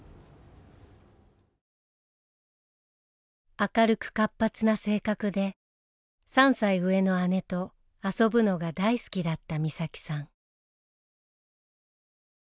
明るく活発な性格で３歳上の姉と遊ぶのが大好きだった美咲さん。